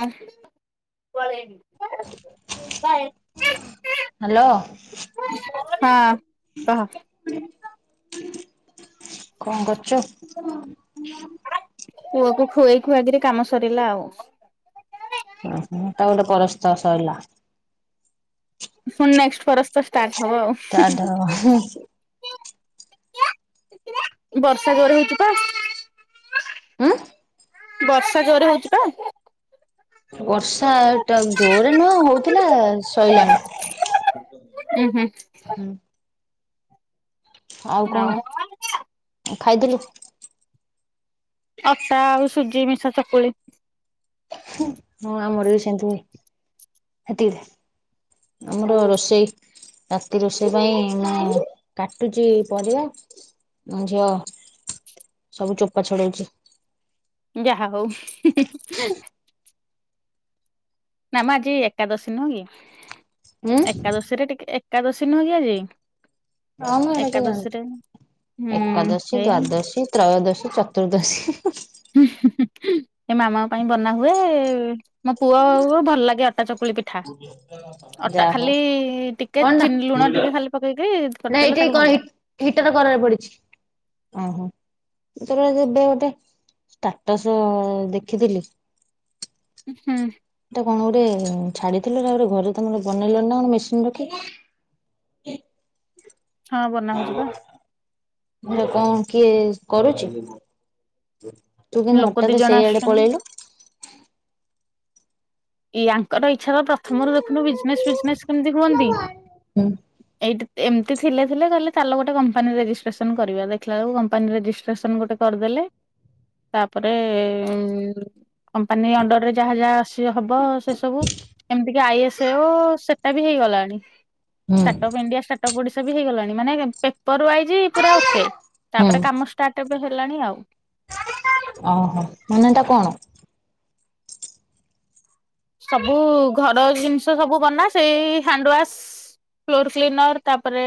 ଆ hello [inaudible] ହଁ କହ। କଣ କରୁଚ? ପୁଅକୁ ଖୁଏକି ଖୁଆକିରି କାମ ସରିଲା ଆଉ। ଓହୋ ତା ଲେ ପରସ୍ତ ସଇଲା। ଫୁଣି ନେକ୍ସଟ ପରସ୍ତ ଷ୍ଟାର୍ଟ। ହବ ଆଉ ଷ୍ଟାର୍ଟ ହବ ହୁଃ। ବର୍ଷା ଘର ହେଇଚି ତ। ଉଁ ବର୍ଷା ଜୋରେ ହଉଚି ପା। ବର୍ଷାଟା ଜୋରରେ ନୁହଁ ହଉଥିଲା ସଇଲାଣି। ଉୁଁ ହୁଁ [inaudible] ଉଁ ଆଉ କଣ [inaudible] ଖାଇଥିଲୁ? ଅଟା ଆଉ ସୁଜି ମିସା ଚକୁଳି। ହୁଁ ହଁ ଆମର ବି ସେମତି ହୁଏ। [inaudible] ସେତିକ ଦେ ଆମର ରୋଷେଇ ରାତି ରୋଷେଇ ପାଇଁ ମୁଁ କାଟୁଚି ପରିବା, ମୋ ଝିଅ ସବୁ ଚୋପା ଛଡୋଉଚି। ଯାହା ହଉ ହୁଁ ହୁଁ। [inaudible] ନାମ ଆଜି ଏକାଦଶୀ ନୁହେଁ ଉଁ କି [inaudible] ଏକାଦଶୀ ରେ ଟିକେ ଏକାଦଶୀ ନୁହଁ କି ଆଜି ହଁ ମୁଁ ଏଇଟା ତ ଜାଣିଚି ଏକାଦଶୀରେ ହୁଁ ଏକାଦଶୀ, ଏଇ ଦ୍ଵାଦଶୀ, ତ୍ରୟୋଦଶୀ ଚତୁର୍ଦ୍ଦଶୀ ହୁଁ ହୁଁ ଏ ମାମାଙ୍କ ପାଇଁ ବନା ହୁଏ, ମୋ ପୁଅ ଅ ଭଲ ଲାଗେ ଅଟା ଚକ କୁଳି ପିଠା ଅଟା ଯାହା ହଉ ଖାଲି ଟିକେ ଚିନି ଲୁଣ ଟିକେ ଖାଲି ପକେଇକି ନାଇଁ କରିଦେଲେ ଏଇଠା ତାକୁ କ ଭଲ ହି ଲାଗେ। ହିଟର କରରେ ପଡିଚି। ଓହୋ ତୋର ଏବେ ଗୋଟେ ଷ୍ଟାଟସ ଦେଖିଥିଲି [inaudible] ଏ ହୁଁ ଟା କଣ ଗୋଟେ ଛାଡି ଥିଲୁ ତା ପରେ ଘରେ ତମର ବନେଇଲଣି ନା କଣ ମେସିନ ରଖିକି? ହଁ ବନା ହଉଚି ପା କଁ କିଏ କରୁଚି ତୁ କେନ୍ତି ଲୋକ ଦି ହଠାତ ଜଣ ସେଇଆଡେ ଆସୁଛନ୍ତି। ପଳେଇଲୁ ଇଆଙ୍କର ଇ ଏଛା ପ୍ରଥମରୁ ଦେଖୁନୁ ବିଜନେସ୍ ଫିଜନେସ୍ କେମିତି ରୁହନ୍ତି ହୁଁ ଏଇଟି ଏମିତି ଥିଲେ ଥିଲେ କହିଲେ ଚାଲ ଗୋଟେ କମ୍ପାନୀ ରେଜିଷ୍ଟ୍ରେସନ୍ କରିବା ଦେଖିଲା ବେଳକୁ କମ୍ପାନୀ ରେଜିଷ୍ଟ୍ରେସନ୍ ଗୋଟେ କରିଦେଲେ ତାପରେ କମ୍ପାନୀ ଅଣ୍ଡରରେ ଯାହା ଯାହା ଆସିବ ହବ ସେ ସବୁ ଏମିତି କି ଆଇ ଏସ୍ ଓ ସେଟା ବି ହେଇଗଲାଣି ହୁଁ ଷ୍ଟାର୍ଟ ଅପ ଇଣ୍ଡିଆ ଷ୍ଟାଟପ୍ ଗୋଡ଼େସ ଟା ବି ହେଇଗଲାଣି ମାନେ ପେପର ୱାଇଜି ପୁରା ଓକେ। ହୁଁ ତାପରେ କାମ ଷ୍ଟାର୍ଟ ଏବେ ହେଲାଣି ଆଉ ଓହୋ ମାନେ ଏଟା କଣ? ସବୁ ଘର ଜିନିଷ ସବୁ ବନା ସେଇ ହ୍ୟାଣ୍ଡୱାସ୍ ଫ୍ଲୋର ଫ୍ଲିନର ତାପରେ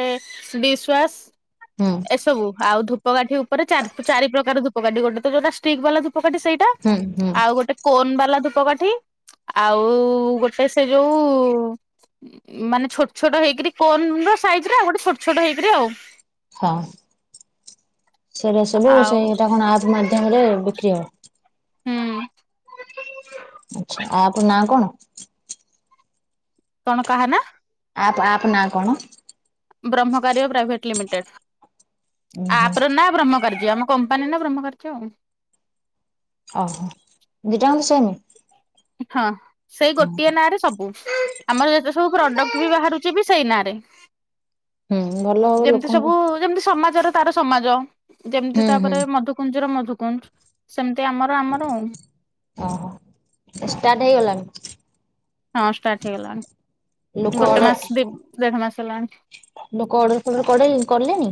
ଦିସ୍ୱାସ୍ ହୁଁ ଏସବୁ ଆଉ ଧୁ ଧୂପକାଠି ଉପରେ ଚାର୍ ପ ଚାରିପ୍ରକାର ଧୂପକାଠି ଗୋଟେ ତ ଯୋଉଟା ଷ୍ଟିକ୍ ବାଲା ଧୁ ଧୂପକାଠି ସେଇଟା ହୁଁ ହୁଁ ଆଉ ଗୋଟେ କୋନ ବାଲା ଧୂ ଧୂପ କାଠି ଆଉ ଗୋଟେ ସେ ଯୋଉ ମାନେ ଛୋଟ ଛୋଟ ହେଇକିରି କୋନର ସାଇଜର ଆଉ ଗୋଟେ ଛୋଟ ଛୋଟ ହେଇକିରି ଆଉ। ହଁ ସେଇରା ସବୁ ଆଉ ସେଇଟା କଣ ଆପ ମାଧ୍ୟମରେ ବିକ୍ରି ହବ? ହୁଁ ଆଚ୍ଛା ଆପ୍ ନାଁ କଣ? କଣ କାହା ନାଁ? ଆପ୍ ଆପ୍ ନାଁ କଣ? ଟା ଉୁଁ ହୁଁ ଆପ୍ ର ନାଁ ବ୍ରହ୍ମକାର୍ଯ୍ୟ। କମ୍ପାନୀ ନାଁ ବ୍ରହ୍ମକାର୍ଯ୍ୟ ଆଉ। ଅ ହ ଦିଇଟାଙ୍କ ସେମ୍? ହଁ ସେଇ ଗୋଟିଏ ନାଁ ରେ ସବୁ ଆମର ଯେତେ ସବୁ ପ୍ରଡକ୍ଟ ବି ବାହାରୁଛି ବି ସେଇ ନାଁ ରେ। ଟେ ହୁଁ ଭଲ ହବ ଲୋକଙ୍କୁ ଯେମିତି ସମାଜର ତାର ସମାଜ ଯେମିତି ହୁଁ ହୁଁ ତାପରେ ମଧୁକୁଞ୍ଜର। [unintelligible] ସେମିତି ଆମର ଆମର ଆଉ ଓହୋ। ଷ୍ଟାର୍ଟ ହେଇଗଲାଣି। ହଁ ଷ୍ଟାର୍ଟ ଲୋକ ହେଇଗଲାଣି ଗୋଟେ ଅର୍ଡର ମାସ୍ ଦି ଦେଢମାସ୍ ହେଲାଣି। ଲୋକ ଅର୍ଡର ଫର୍ଡର କଲେ କଲେଣି?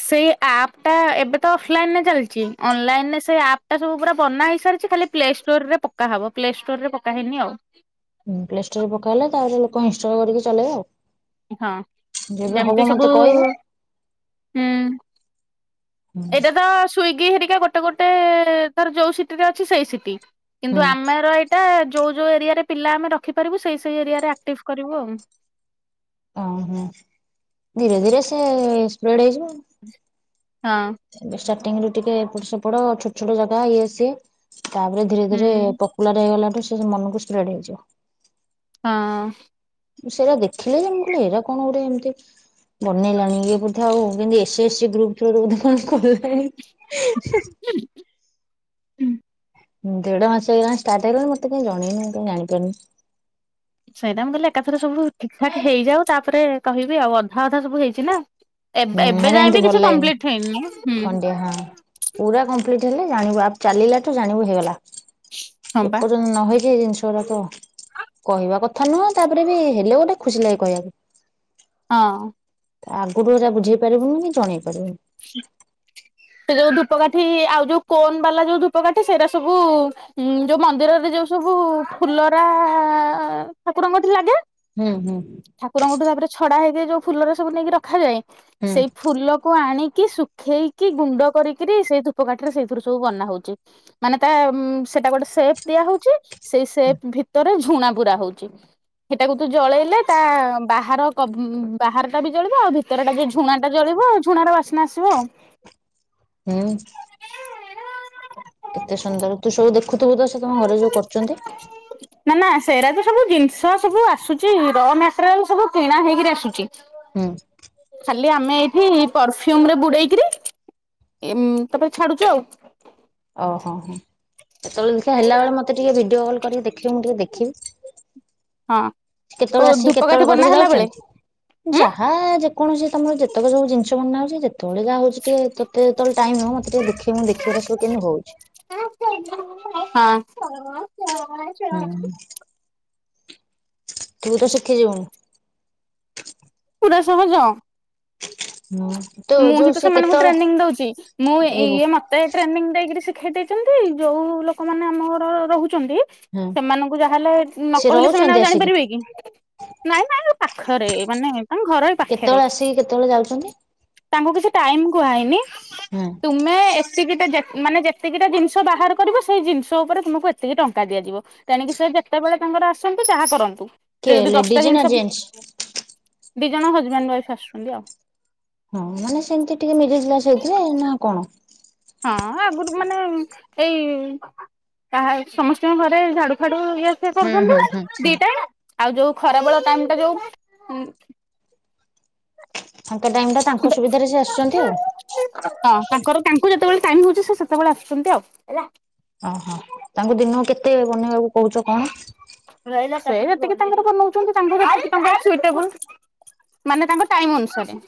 ସେଇ ଆପ୍ ଟା ଏବେ ତ ଅଫଲାଇନରେ ଚାଲିଛି ଅନଲାଇନରେ ସେଇ ଆପ୍ ଟା ସବୁ ପୁରା ବନା ହେଇସାରିଛି ଖାଲି ପ୍ଲେଷ୍ଟୋରରେ ପକାହବ ପ୍ଲେଷ୍ଟୋରରେ ପକା ହେଇନି ଆଉ। ହୁଁ ପ୍ଲେଷ୍ଟୋରରେ ପକାହେଲେ ତାପରେ ଲୋକ ଇନ୍ ଷ୍ଟଲ କରିକି ଚଲେଇବେ ଆଉ। ହଁ ଯେବେ ହବ ଯେମିତି ସବୁ ମତେ କହିବୁ। ହୁଁ ଏଇଟା ହୁଁ ତ ସ୍ଵିଗି। କିଆ ଗୋଟେ ଗୋଟେ ତାର ଯୋଉ ସିଟିରେ ଅଛି ସେଇ ସିଟି କିନ୍ତୁ ଆମେର ଏଇଟା ଯୋଉ ଯୋଉ ଏରିଆରେ ପିଲା ଆମେ ରଖିପାରିବୁ ସେଇ ସେଇ ଏରିଆରେ ଆକ୍ଟିଭ୍ କରିବୁ ଆଉ। ଅ ହଁ ଧୀରେ ଧୀରେ ସେ ସ୍ପ୍ରେଡ୍ ହେଇଯିବ। [inaudible] ହଁ ଚାଟିଙ୍ଗ ରୁ ଟିକେ ଏପଟ ସେପଡ ଛୋଟ ଛୋଟ ଜାଗା ଇଏ ସିଏ ତାପରେ ଧୀରେ ହଁ ଧୀରେ ହୁଁ ପକୁଲାର ହେଇଗଲା [unintelligible] ମନକୁ ସ୍ପେଡ ହେଇଯିବ। ହଁ। ମୁଁ ସେରା ଦେଖିଲେ ଯେ ମୁଁ କହିଲି ଏରା କଣ ଗୋଟେ ଏମିତି ବନେଇଲାଣି ଇଏ ବୋଧେ ଆଉ ଯେନ୍ତି ଏସି ଏସି ଗ୍ରୁପ ଥ୍ରୁରୁ ବୋଧେ କଣ କଲା [unintelligible] ଦେଢ ମାସ ହେଇଗଲା ଷ୍ଟାର୍ଟ ହେଇଗଲାଣି ମତେ କାହିଁ ଜଣେଇନୁ ମୁଁ କାହିଁ ଜାଣିପାରୁନି। ସେଇଟା ମୁଁ କହଲି ଏକାଥର ସବୁ ଠିକ୍ ଠାକ ହେଇଯାଉ ତାପରେ କହିବି ଆଉ ଅଧା ଅଧା ସବୁ ହେଇଛି ନା। ହୁଁ ଏବେ ଏବେ ଏରା ଯାଏଁ ଏମତି ବି କିଛି ଭଲ ଲାଗେନି କମ୍ପ୍ଲିଟ ହେଇନି ହୁଁ ଖଣ୍ଡିଆ ହଁ ପୁରା କମ୍ପ୍ଲିଟ ହେଲେ ଜାଣିବୁ ଆଉ ଚାଲିଲାଠୁ ଜାଣିବୁ ହେଇଗଲା। ହଁ ବା ଏପର୍ଯ୍ୟନ୍ତ ନହେଇ ଜି ଜିନିଷ ଗୁଡାକ କହିବା କଥା ନୁହଁ ତାପରେ ବି ହେଲେ ଗୋଟେ ଖୁସି ଲାଗେ କହିବାକୁ। ହଁ। ଆଗରୁ ଯ ବୁଝେଇ ପାରିବୁନି କି ଜଣେଇ ପାରିବନି। ସେ ଯୋଉ ଧୂପକାଠି ଆଉ ଯୋଉ କୋନ ବାଲା ଯୋଉ ଧୂପକାଠି ସେଇରା ସବୁ ଯୋଉ ମନ୍ଦିରରେ ଯୋଉ ସବୁ ଫୁଲରା ଠାକୁରଙ୍କଠି ଲାଗେ। ହୁଁ ହୁଁ ଠାକୁରଙ୍କଠୁ ତାପରେ ଛଡା ହେଇଥାଏ ଯୋଉ ଫୁଲର ସବୁ ନେଇକି ରଖାଯାଏ। ହୁଁ। ସେଇ ଫୁଲକୁ ଆଣି କି ଶୁଖେଇକି ଗୁଣ୍ଡ କରିକିରି ସେଇ ଧୂପକାଠିରେ ସେଇଥିରୁ ସବୁ ବନା ହଉଚି ମାନେ ତା ସେଟା ଗୋଟେ ସେପ ଦିଆ ହଉଛି। ସେଇ ସେପ ଭିତର ଝୁଣା ପୁରା ହଉଚି ହେଟାକୁ ତୁ ଜଳେଇଲେ ତା ବାହାର କବ୍ ବାହାର ଟା ବି ଜଳିବ ଆଉ ଭିତର ଟାବି ଝୁଣା ଟା ଜଳିବ ଝୁଣାର ବାସ୍ ନା ଆସିବ ଆଉ। ହୁଁ। କେତେ ସୁନ୍ଦର ତୁ ସବୁ ଦେଖ ଖୁଥିବୁତ ସେ ତମ ଘରେ ଯୋଉ କରୁଚନ୍ତି। ନା ନା ସେରା ତ ସବୁ ଜିନିଷ ସବୁ ଆସୁଚି ର ମେଟ୍ରିଆଲ ସବୁ କିଣା ହେଇକିରି ଆସୁଚି। ହୁଁ। ଖାଲି ଆମେ ଏଇଠି ପରଫ୍ୟୁମରେ ବୁ ଡେଇକରି ତାପରେ ଛାଡୁଚୁ ଆଉ। ଓ ହୋ ହଁ। ସେତେବେଳେ ତ ଦେଖା ହେଲା ବେଳେ ମତେ ଟିକେ ଭିଡିଓ କ କରିକି ଦେଖେଇବୁ ମୁଁ ଟିକେ ଦେଖିବି। ହଁ। କେତେବେଳେ କୋଉ ଆସିକି ଧୂପକାଠି କେତେବେଳେ ବନା କରିକି ହେଲା ବେଳେ ଯାଉଚନ୍ତି ଉଁ ଯାହା ଯେ କୌଣସି ତମର ଯେତେକ ସବୁ ଜିନିଷ ବନା ହଉଚି ତଳେ ଯାହା ହଉଚି ଟିକେ ତତେ ଯେତଳେ ଟାଇମ ହବ ମତେ ଟିକେ ଦେଖେଇବୁ ଦେଖିବାର କିମିତି ହଉଚି। ହୁଁ। ତୁ ତ ଶିଖିଯିବୁଣୁ । ସହଜ। [inaudible] ତୋ ମୁଁ ହିଁ ଯୋଉ ତ ସେ ସେମାନଙ୍କୁ କେତେବେଳେ ଟ୍ରେନିଂ ଦଉଚି ମୁଁ ଏଇ ବୋ ଇଏ ମତେ ଟ୍ରେନିଂ ଦେଇକିରି ସି ଶିଖେଇଦେଇଚନ୍ତି ଯୋଉ ଲୋକମାନେ ଆମ ଘର ରହୁ ଛନ୍ତି ହୁଁ ସେମାନଙ୍କୁ ଯାହାହେଲେ ନ ସେ କହିଲେ ସେମାନେ ରହୁଛନ୍ତି ଆଉ ଆସିକି ଜାଣିପାରିବେ କି ନାଇଁ ନାଇଁ ପା ପାଖରେ ମାନେ ତାଙ୍କ ଘର ଏଇ ପାଖରେ କେତେବେଳେ ଆସିକି କେତେବେଳେ ଯାଉଚନ୍ତି? ତାଙ୍କୁ କିଛି ଟାଇମ କୁହାହେଇନି। ତୁମେ ଏସି ଯେ ମାନେ ଯେତିକିଟା ଜିନିଷ ବାହାର କରିବ ସେଇ ଜିନିଷ ଉପରେ ତୁମକୁ ଏତିକି ଟଙ୍କା ଦିଆଯିବ ତେଣିକି ସେ ଯେତେବେଳେ ତାଙ୍କର ଆସନ୍ତୁ ଯାହା କରନ୍ତୁ। ସେ କିଏ ଯଦି ଦଶଟା ଲେଡିଜ ନା ଜିନିଷ ଜେନ୍ସ? ଦି ଜଣ ହଜବାଣ୍ଡ ୱାଇଫ୍ ଆସୁଛନ୍ତି ଆଉ। ହଁ ମାନେ ସେମତି ଟିକେ ମିଡିଲ କ୍ଲାସ ହେଇଥିବେ ନା କଣ? ହଁ ଆଗରୁ ମାନେ ଏଇ କାହା ସମସ୍ତଙ୍କ ଘରେ ଝାଡୁ ଫାଡୁ ଇଏ ଫିଏ ହୁଁ ହୁଁ କରୁଛନ୍ତି ହୁଁ ହୁଁ। The time. ଆଉ ଯୋଉ ଖରା ବେଳ ଟାଇମ ଟା ଯୋଉ ତାଙ୍କ ଟାଇମ ଟା ତାଙ୍କ ସୁବିଧାରେ ସେ ଆସୁଚନ୍ତି ଆଉ। ଟାଇମ ହଉଚି ସେ ସେତେବେଳେ ଆସୁଚନ୍ତି ଆଉ ହେଲା। କିଏ ବନେଇବାକୁୁ କହୁଚ କଣ? ସେ ଯେତିକି ତାଙ୍କର ବନଉଚନ୍ତି ତାଙ୍କୁ ସେତିକି ଟଙ୍କା ସୁଇଟେବୁଲ୍ ମାନେ ତାଙ୍କ ଟାଇମ ଅନୁସାରେ।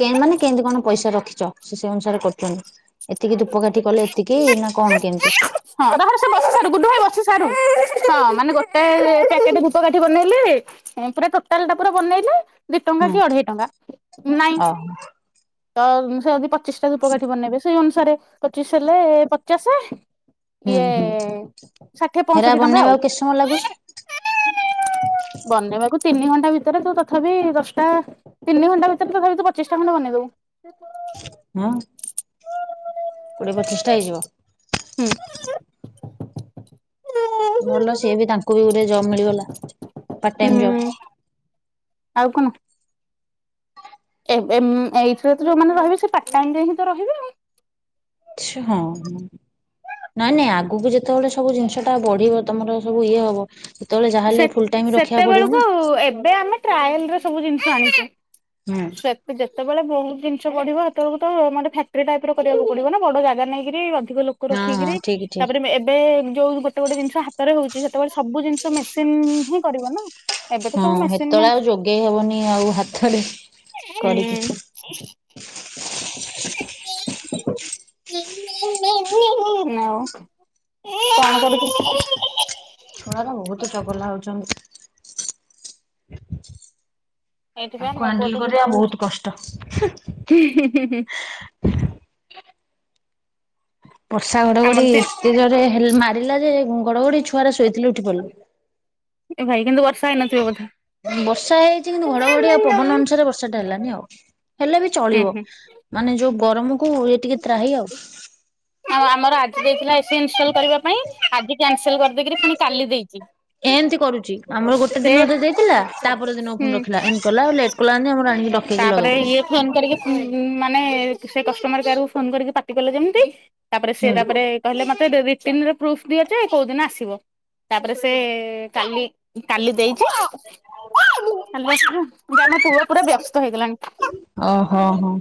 କେ ମାନେ କେମିତି କଣ ପଇସା ରଖିଚ ସେ ସେଇ ଅନୁସାରେ କରୁଚନ୍ତି। ଏତିକି ଧୂପକାଠି କଲେ ଏତିକି ।ନା କଣ କେମିତି? ହଁ ରହରେ ସେ ବସିସାରୁ ଗୁଡୁ ଭାଇ ବସି ସାରୁ ହଁ ମାନେ ଗୋଟେପ୍ୟାକେଟ ଧୂପକାଠି ବନେଇଲେ ପୁରା ଟୋଟାଲ ଟା ପୁରା ବନେଇଲେ ଦି ଟଙ୍କା ହଁ କି ଅଢେଇ ଟଙ୍କା ନାଇଁ ଓହୋ ତ ସେ ଯଦି ପଚିଶ ଟା ଧୂପକାଠି ବନେଇବେ ସେଇ ଅନୁସାରେ ପଚିଶ ହେଲେ ପଚାଶ। ହୁଁ ଇଏ ହୁଁ। ଷାଠିଏ ହେରା ପଞ୍ଚଷଠି ଟଙ୍କା ଆଉ। ବନେଇବାକୁ କେତେ ସମୟ ଲାଗୁଛି ବନେଇବାକୁ ତିନି ଘଣ୍ଟା ଭିତରେ ତୁ ତଥାପି ଦଶଟା ତିନି ଘଣ୍ଟା ଭିତରେ ତଥାପି ତୁ ପଚିଶି ଟା ଖଣ୍ଡେ ବନେଇଦବୁ। ହଁ କୋଡିଏ ପଚିଶ ଟା ହେଇଯିବ। ହୁଁ। ଭଲ ସିଏ ବି ତାଙ୍କୁ ବି ଗୋଟେ ଜବ୍ ମିଳିଗଲା ପାର୍ଟ ଟାଇମ୍ ହୁଁ ଜବ୍। ଆଉ କଣ? ଏବେ ଏଇଥିରେ ତ ଯୋଉମାନେ ରହିବେ ସେ ପାର୍ଟ ଟାଇମ ରେ ହିଁ ତ ରହିବେ। ସେ ହଁ ନାଇଁ ନାଇଁ ଆଗକୁ ଯେତେବେଳେ ସବୁ ଜିନିଷ ଟା ବଢିବ ତମର ସବୁ ଇଏ ହବ। ସେତେବେଳେ ଯାହାହେଲେ ସେତ୍ ଫୁଲ ଟାଇମ ରଖିବାକୁ ପଡିବ ସେତେବେଳକୁ ନା ଏବେ ଆମେ ଟ୍ରାଏଲ ରେ ସବୁ ଜିନିଷ ଆଣିଛୁ। ହୁଁ ସେତେ ଯେତେବେଳେ ବେଳେ ବହୁତ ଜିନିଷ ବଢିବ ହେତେବେଳକୁତ ମାନେ ଫ୍ୟାକ୍ଟ୍ରି ଟାଇପ ର କରିବାକୁ ପଡିବ ନା ବଡ ଜାଗା ନେଇକିରି ଅଧିକ ଲୋକ ହଁ ହଁ ରଖିକିରି ଠିକ ଠିକ ତାପରେ ଏବେ ଯୋଉ ଗୋଟେ ଗୋଟେ ଜିନିଷ ହାତରେ ହଉଛି ସେତେବେଳେ ସବୁ ଜିନିଷ ତ ମେସିନ ହିଁ କରିବ ନା। ଏବେ ତ ହଁ ସବୁ ମେସିନ ସେତେତେଳେ ଅଛି। ଆଉ ଯୋଗେଇ ହବନି ଆଉ ହାତରେ କରିକି [unintelligible] ଛଣାବା ବହୁତ। ଚଗଲା ହଉଛନ୍ତି। ଏଇଥିପାଇଁ ତାକୁ ମୋ ପୁଅ ହାଣ୍ଡେଲ ଏତେ କରିବା ଦୁଷ୍ଟ ବହୁତ କଷ୍ଟ। ହଉଚି [inaudible] ଇଁ ହିଁ ହିଁ ହିଁ। ବର୍ଷା ଘଡ ଘଡି ଆମର ତ ଏତେ ଜୋରେ ଥରେ ମାରିଲା ଯେ ଘଡଘଡି ଛୁ କୁଆଡେ ଶୋଇଥିଲେ ଉଠି ପଡିଲୁ। ଏ ଭାଇ କିନ୍ତୁ ବର୍ଷା ହେଇନଥିବ ବୋଧେ‌‌। ବର୍ଷା ହେଇଛି କିନ୍ତୁ ଘଡଘଡି ଆଉ ପବନ ଅନୁସାରେ ବର୍ଷା ଟା ହେଲାନି ଆଉ ହେଲେ ବି ହୁଁ ଚଳିବ ହୁଁ। ମାନେ ଯୋଉ ଗରମ କୁ ଟିକେ ତ୍ରାହି ଆଉ। ଆଉ ଆମର ଆଜି ଦେଇଥିଲା ଏସି ଇନଷ୍ଟଲ୍ କରିବା ପାଇଁ ଆଜି କ୍ୟାନସେଲ କରିଦେଇକିରି ପୁଣି କାଲି ଦେଇଚି। ଏମତି କରୁଛି ଆମର ଗୋଟେ ସେ ଦିନ ଦେଇଦେଇଥିଲା ତାପରେ ଦିନକୁ ହୁଁ ଫୁଣି ରଖିଲା ଏମିତି କଲା ଲେଟ୍ କଲାନ୍ତି ଆମର ଆଣିକି ର ତାପରେ ଇଏ ଫୋନ୍ କରିକି ମାନେ ସେ କଷ୍ଟମର କେୟାରକୁ ଫୋନ କରିକି ପାଟିଗଲେ ଯେମିତି ତାପରେ ସେଏ ହୁଁ। ତାପରେ କହିଲେ ମତେ ଦେବୀ। ସିମ୍ ରେ ପ୍ରୁଫ୍ ବି ଅଛି କୋଉ ଦିନ ଆସିବ ତାପରେ ସେ କାଲି କାଲି ଦେଇଚ [inaudible] କାଲି ଆସିବ ଜଣେ ପୁଅ ପୁରା ବ୍ୟ ଓ ହୋ ହଁ।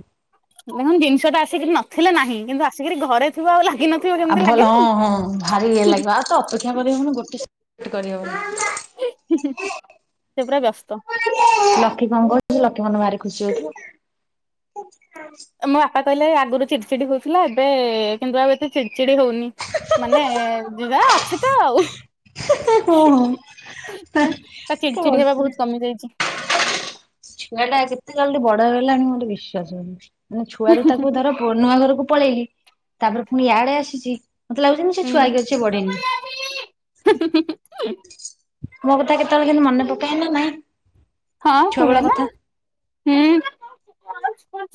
ମୁଁ ଜିନିଷ ଟା ଆସିକି ନଥିଲେ ନାହିଁ କିନ୍ତୁ ଆସିକିରି ଘରେ ଥିବା ଆଉ ହେଲା ଆଉ ଭଲ ହଁ ହଁ ଭାରି ଇଏ ଲାଗିବ ଆଉ ତ ଅପେକ୍ଷା କର ହଉନି ଗୋଟେ ସେ ପଡି ହବନି ସେ ପୁରା ବ୍ୟସ୍ତ [unintelligible] ଲକି କଣ କହୁଛି? ଲକି ମନ ଭାରି ଖୁସି ହେଇଥିବା। ଏମୋ ବାପା କହିଲେ ରା ଗରୁ ଚିଡିଚିଡି ହଉଥିଲା। ଏବେ କିନ୍ତୁ ଆଉ ଏତେ ଚିଡିଚିଡି ହଉନି ମାନେ ଯ ଯା ଅଛି ତ ଆଉ। [unintelligible] ତା ଚିଡିଚିଡି ହେବା ବହୁତ କମି ଯାଇଛି। ଛୁଆ ଟା କେତେ ଜଲଦି ବଡ ହେଇଗଲାଣି ମୋର ବିଶ୍ୱାସ ହଉନି। ମାନେ ଛୁଆ ରରୁ ତାକୁ ଧର ନୂଆ ଘରକୁ ପଳେଇଲି ତାପରେ ପୁଣି ୟାଆଡେ ଆସିଛି। ମତେ ଲାଗୁଛନ୍ତି ସେ ଛୁଆ କି ଅ ହୁଁ ସେ ବଢ଼ିନି। ମୋ କଥା କେତେବେଳେ କିନ୍ତୁ ମନେ ପକେଇ ନା ନାହିଁ? ହଁ କୁହେ ନା। ହୁଁ।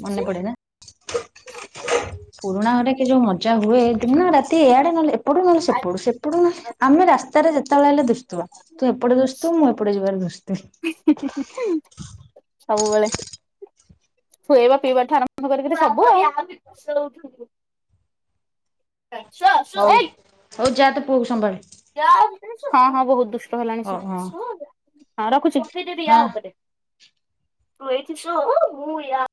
ମନେ ପଡେ ବା ପୁରୁଣା ଘରେ କି ଯୋଉ ମଜା ହୁଏ ଦ ରାତି ଏଆଡେ ନହେଲେ ସେପଟୁ ନହେଲେ ସେପଟୁ ସେପଟୁ ନହଲେ ଆମେ ରାସ୍ତାରେ ଯେତେବେଳେ ହେଲେ ଦୁଶଥିବା ତୁ ଏପଟ ଦୁଥୁ ମୁଁ ଏପେ ଯିବାର ଦୁୁ ସବୁବେଳେ। ଶୁଏବା ପିଇବାଠୁ ଆରମ୍ଭ କରିକିରି ସବୁ ଆଉ। ଶ ଶ ହଉ ଏଇ। ହଉ ଯା ତୋ ପୁଅକୁ ସମ୍ଭାଳେ। କ ହଁ ହଁ ବହୁତ ଦୁଷ୍ମ ର ହେଲାଣି ସେ। ହଉ ହଁ ହଁ ରଖୁଛି। କିଦି ଦି ଆଉ ହଁ। କଦେ ରହିଥିସ ହ ମୁଁ ୟ